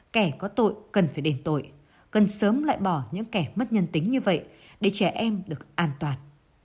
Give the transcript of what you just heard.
kẻ có tội cần phải đền tội cần sớm loại bỏ những kẻ mất nhân tính như vậy để trẻ em được an toàn